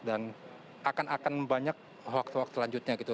dan akan akan banyak hoaks hoaks selanjutnya gitu